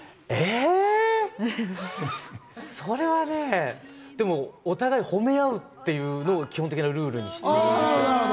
えぇ、それはね、お互いを褒め合うっていうのを基本的なルールにしています。